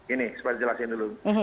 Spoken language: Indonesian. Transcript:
ini saya jelaskan dulu